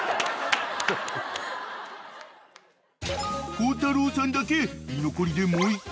［孝太郎さんだけ居残りでもう１回！］